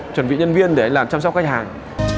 chuẩn bị nhân viên để làm chăm sóc khách hàng